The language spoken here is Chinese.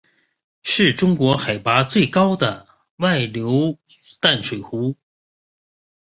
是中国海拔最高的外流淡水湖。